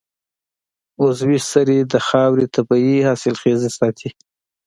عضوي سرې د خاورې طبعي حاصلخېزي ساتي.